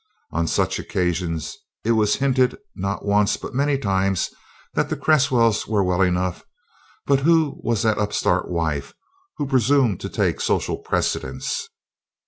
On such occasions it was hinted not once, but many times, that the Cresswells were well enough, but who was that upstart wife who presumed to take social precedence?